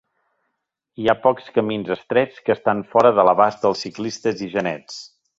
Hi ha pocs camins estrets que estan fora de l'abast dels ciclistes i genets.